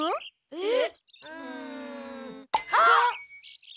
えっ？